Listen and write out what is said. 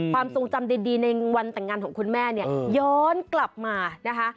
ความทรงจำดีในวันแต่งงานของคุณแม่เนี่ยย้อนกลับมานะคะ